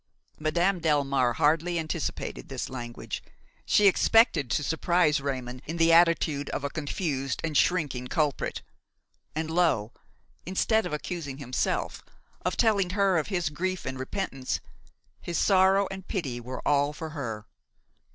Madame Delmare hardly anticipated this language; she expected to surprise Raymon in the attitude of a confused and shrinking culprit; and lo! instead of accusing himself–of telling her of his grief and repentance–his sorrow and pity were all for her!